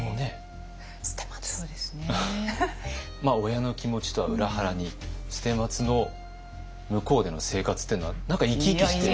親の気持ちとは裏腹に捨松の向こうでの生活というのは何か生き生きして。